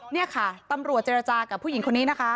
นี่ค่ะตำรวจเจรจากับผู้หญิงคนนี้นะคะ